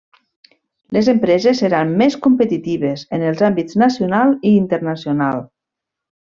Les empreses seran més competitives en els àmbits nacional i internacional.